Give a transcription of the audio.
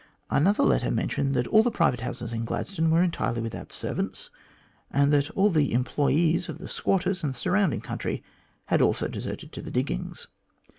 Another letter mentioned that all the private houses in Gladstone were entirely without servants, and that all the employees of the squatters in the surrounding country had also deserted to the diggings.